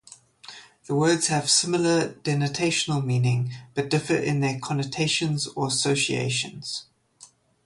The words have a similar denotational meaning but differ in their connotations or associations.